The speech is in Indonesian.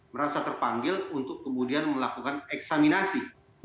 merasa terpanggil untuk kemudian melakukan eksaminasi